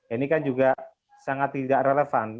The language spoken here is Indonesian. ini kan juga sangat tidak relevan